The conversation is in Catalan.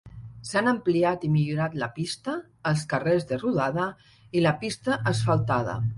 S'han ampliat i millorat la pista, els carrers de rodada i la pista asfaltada.